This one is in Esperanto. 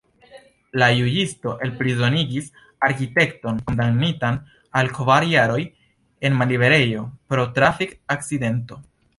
La juĝisto elprizonigis arkitekton kondamnitan al kvar jaroj en malliberejo pro trafik-akcidento.